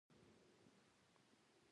نوې ملګرې ژوند ته خوشالي ورکوي